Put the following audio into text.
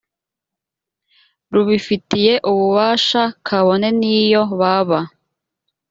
rubifitiye ububasha kabone n iyo baba